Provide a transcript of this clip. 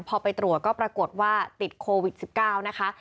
พอไปตรวจก็ปรากฏว่าติดโควิด๑๙นะคะ